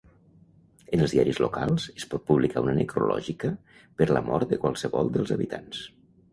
En els diaris locals, es pot publicar una necrològica per la mort de qualsevol dels habitants.